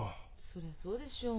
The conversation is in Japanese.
そりゃそうでしょう。